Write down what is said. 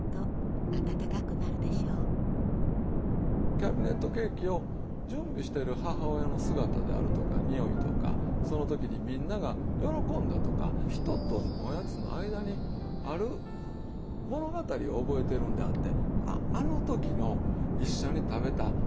キャビネットケーキを準備している母親の姿であるとか匂いとかその時にみんなが喜んだとか人とおやつの間にある物語を覚えているんであって。